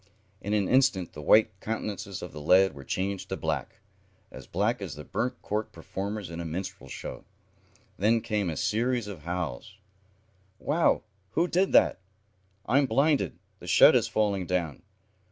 In an instant the white countenances of the lads were changed to black as black as the burnt cork performers in a minstrel show. Then came a series of howls. "Wow! Who did that!" "I'm blinded! The shed is falling down!"